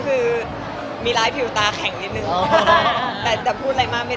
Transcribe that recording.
ไหนสัญญาว่าจะไปซื้อของเล่นแล้วไง